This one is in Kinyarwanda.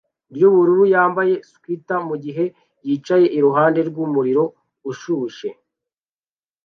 ryubururu yambaye swater mugihe yicaye iruhande rwumuriro ushushe